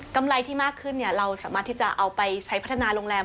ไรที่มากขึ้นเราสามารถที่จะเอาไปใช้พัฒนาโรงแรม